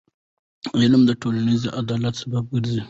علم د ټولنیز عدالت سبب ګرځي.